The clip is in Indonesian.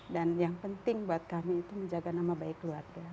dan yang penting buat kami itu menjaga nama baik keluarga